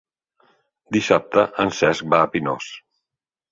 Dissabte en Cesc va a Pinós.